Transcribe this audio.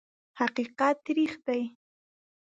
حقیقت تریخ دی .